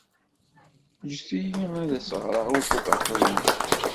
Jjet-iyi ad as-ɣreɣ i ubugaṭu-inu.